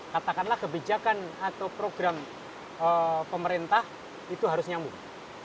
katakanlah kebijakan atau program pemerintah itu harus nyambung